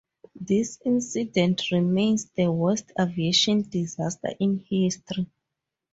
This incident remains the worst aviation disaster in history.